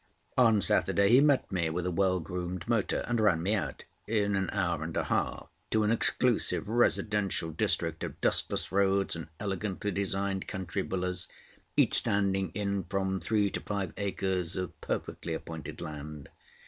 On Saturday he met me with a well groomed motor, and ran me out, in an hour and a half, to an exclusive residential district of dustless roads and elegantly designed country villas, each standing in from three to five acres of perfectly appointed land.